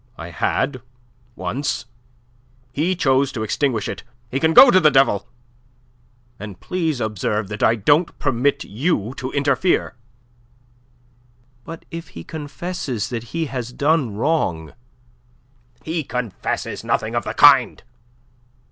I had once. He chose to extinguish it. He can go to the devil; and please observe that I don't permit you to interfere." "But if he confesses that he has done wrong..." "He confesses nothing of the kind.